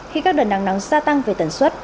khi các đợt nắng nắng gia tăng về tần suất và cửa độ